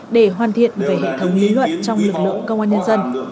để hoàn thiện về hệ thống lý luận trong lực lượng công an nhân dân